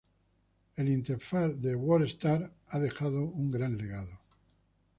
La interfaz de WordStar ha dejado un gran legado.